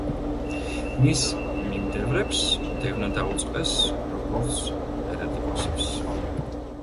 მის მიმდევრებს დევნა დაუწყეს, როგორც ერეტიკოსებს.